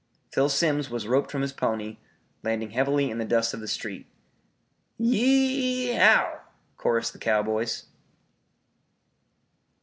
Phil Simms was roped from his pony, landing heavily in the dust of the street. "Y e o w!" chorused the cowboys.